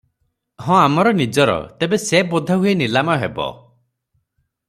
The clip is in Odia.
ହଁ ଆମର ନିଜର- ତେବେ ସେ ବୋଧେ ହୁଏ ନିଲାମ ହେବ ।